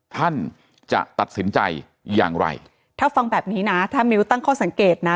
ท่านจะตัดสินใจอย่างไรถ้าฟังแบบนี้นะถ้ามิ้วตั้งข้อสังเกตนะ